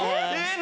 何？